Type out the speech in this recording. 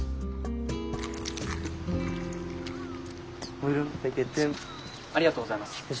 ありがとうございます。